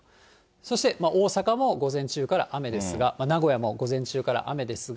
そして、大阪も午前中から雨ですが、名古屋も午前中から雨ですが。